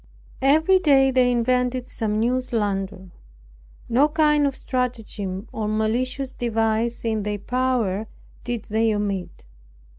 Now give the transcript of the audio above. Every day then invented some new slander. No kind of stratagem, or malicious device in their power, did they omit.